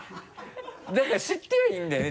だから知ってはいるんだよね？